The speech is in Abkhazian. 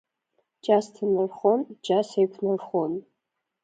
Џьа сҭанархон, џьа сеиқәнархон.